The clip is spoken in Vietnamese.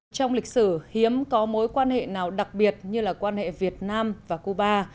trong lịch sử hiếm có mối quan hệ nào đặc biệt như là quan hệ việt nam và cuba